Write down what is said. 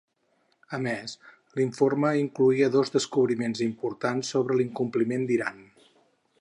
A més, l'informe incloïa dos descobriments importants sobre l'incompliment d'Iran.